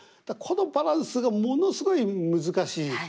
だからこのバランスがものすごい難しい。